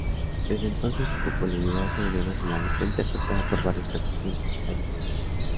Desde entonces su popularidad se volvió nacional y fue interpretada por varios cantantes vallenatos.